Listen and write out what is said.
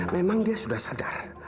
memang dia sudah sadar